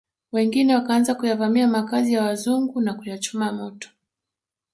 Wengine wakaanza kuyavamia makazi ya wazungu na kuyachoma moto